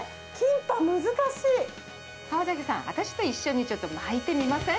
川崎さん、私と一緒にちょっと巻いてみません？